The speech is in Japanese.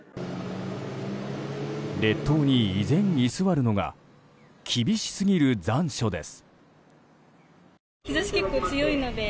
列島に依然、居座るのが厳しすぎる残暑です。